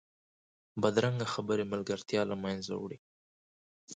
بدرنګه خبرې ملګرتیا له منځه وړي